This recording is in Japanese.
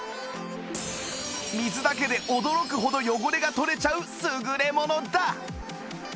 水だけで驚くほど汚れが取れちゃう優れものだ！